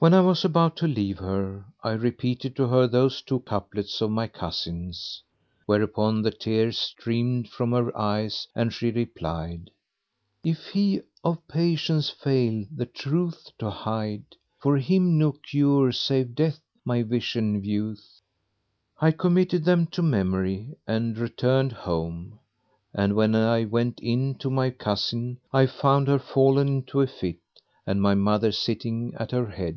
When I was about to leave her, I repeated to her those two couplets of my cousin's; whereupon the tears streamed from her eyes and she replied, "If he of patience fail the truth to hide * For him no cure save Death my vision view'th!" I committed them to memory and returned home, and when I went in to my cousin I found her fallen into a fit and my mother sitting at her head.